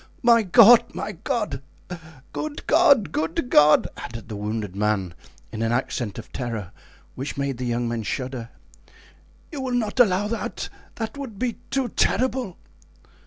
My God! my God! Good God! good God!" added the wounded man, in an accent of terror which made the young men shudder; "you will not allow that? that would be too terrible!"